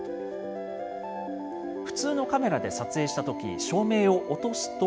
普通のカメラで撮影したとき、照明を落とすと。